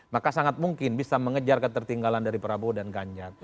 maka sangat mungkin bisa mengejar ketertinggalan dari prabowo dan ganjar